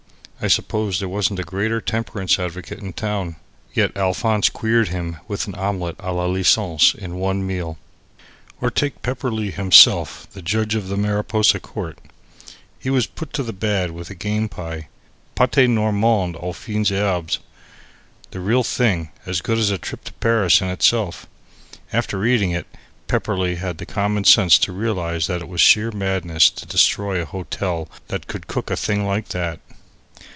I suppose there wasn't a greater temperance advocate in town. Yet Alphonse queered him with an Omelette a la License in one meal. Or take Pepperleigh himself, the judge of the Mariposa court. He was put to the bad with a game pie, pate normand aux fines herbes the real thing, as good as a trip to Paris in itself. After eating it, Pepperleigh had the common sense to realize that it was sheer madness to destroy a hotel that could cook a thing like that.